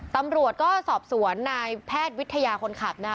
ตำรวจก็สอบสวนนายแพทย์วิทยาคนขับนะคะ